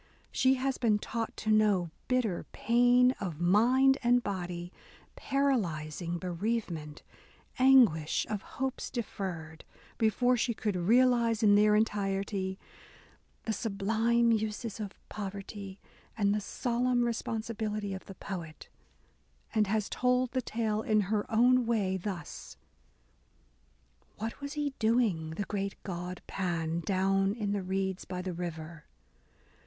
She has been taught to know bitter pain of mind and body, paralysing bereavement, anguish of hopes deferred, before she could realise, in their entirety, the sublime uses of poverty and the solemn responsibility of the poet ; and has told the tale in her own way, — thus : What was he doing, the great god Pan, Down in the reeds by the river